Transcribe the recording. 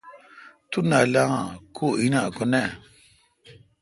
تو نالا کو این اؘ کو نہ۔